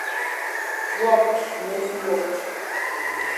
Wok dey no fit wok.